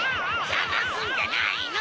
ジャマすんじゃないの！